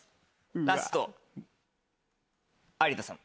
ラスト有田さん。